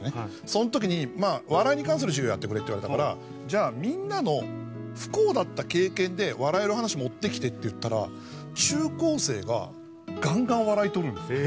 その時に「笑いに関する授業をやってくれ」って言われたから「じゃあみんなの不幸だった経験で笑える話持ってきて」って言ったら中高生がガンガン笑いとるんですよ。